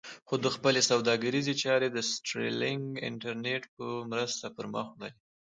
خو ده خپلې سوداګریزې چارې د سټارلېنک انټرنېټ په مرسته پر مخ وړلې.